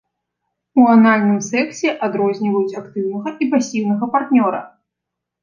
У анальным сексе адрозніваюць актыўнага і пасіўнага партнёра.